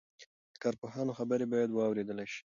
د کارپوهانو خبرې باید واورېدل شي.